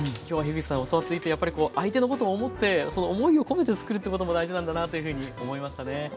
今日は口さん教わっていてやっぱり相手のことを思って思いを込めて作るということも大事なんだなというふうに思いましたね。